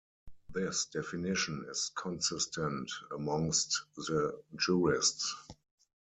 This definition is consistent amongst the jurists.